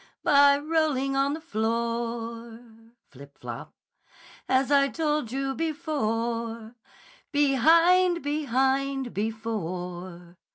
By rolling on the floor, (Flip! Flop!) As I told you before, Behind! Behind! Before!"